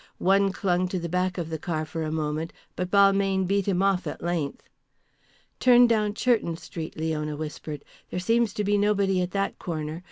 One clung to the back of the car for a moment, but Balmayne beat him off at length. "Turn down Churton Street," Leona whispered. "There seems to be nobody at that corner.